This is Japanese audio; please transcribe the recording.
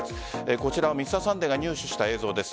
こちらは「Ｍｒ．サンデー」が入手した映像です。